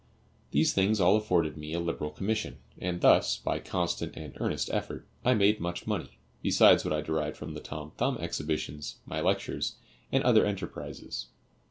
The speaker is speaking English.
These things all afforded me a liberal commission, and thus, by constant and earnest effort, I made much money, besides what I derived from the Tom Thumb exhibitions, my lectures, and other enterprises.